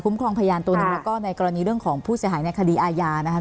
ครองพยานตัวหนึ่งแล้วก็ในกรณีเรื่องของผู้เสียหายในคดีอาญานะคะ